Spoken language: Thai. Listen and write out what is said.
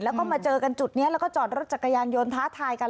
แล้วก็มาเจอกันจุดนี้แล้วก็จอดรถจักรยานยนต์ท้าทายกัน